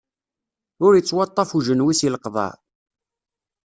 Ur ittwaṭṭaf ujenwi si leqḍaɛ.